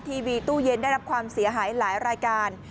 ทีวีตู้เย็นได้รับความเสียหายหลายรายการ